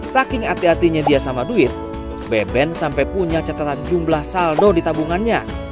saking hati hatinya dia sama duit beben sampai punya catatan jumlah saldo di tabungannya